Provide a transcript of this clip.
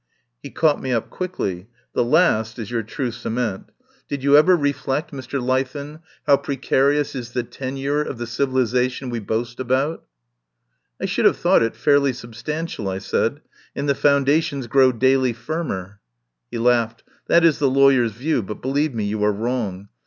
He caught me up quickly. "The last is your true cement. Did you ever reflect, Mr. 66 TELLS OF A MIDSUMMER NIGHT Leithen, how precarious is the tenure of the civilisation we boast about?" "I should have thought it fairly substan tial," I said, "and the foundations grow daily firmer." He laughed. "That is the lawyer's view, but believe me you are wrong.